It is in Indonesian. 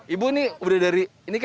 ibu ini kan gate berapa